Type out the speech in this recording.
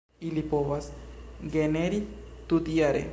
Ili povas generi tutjare.